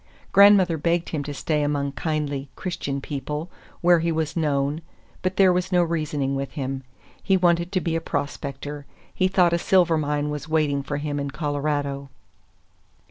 Grandmother begged him to stay among kindly, Christian people, where he was known; but there was no reasoning with him. He wanted to be a prospector. He thought a silver mine was waiting for him in Colorado.